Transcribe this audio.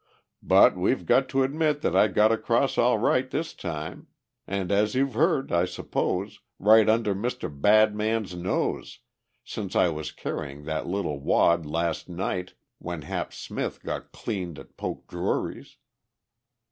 "But we've got to admit that I got across all right this time. And, as you've heard, I suppose, right under Mr. Bad Man's nose, since I was carrying that little wad last night when Hap Smith got cleaned at Poke Drury's.